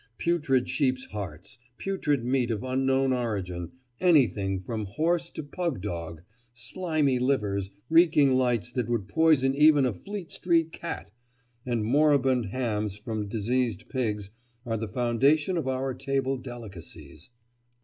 Putrid sheep's hearts—putrid meat of unknown origin—anything from horse to pug dog—slimy livers, reeking lights that would poison even a Fleet Street cat, and moribund hams from diseased pigs are the foundation of our table delicacies.